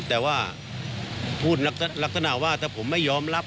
แต่ว่าพูดลักษณะว่าถ้าผมไม่ยอมรับ